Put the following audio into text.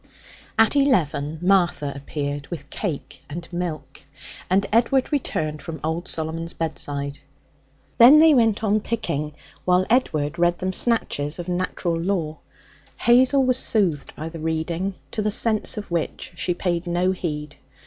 At eleven Martha appeared with cake and milk, and Edward returned from old Solomon's bedside. Then they went on picking, while Edward read them snatches of 'Natural Law.' Hazel was soothed by the reading, to the sense of which she paid no heed.